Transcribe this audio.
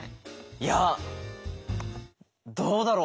いやどうだろう。